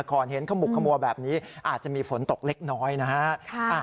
ก่อนเห็นขมุกขมัวแบบนี้อาจจะมีฝนตกเล็กน้อยนะฮะ